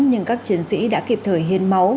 nhưng các chiến sĩ đã kịp thời hiên máu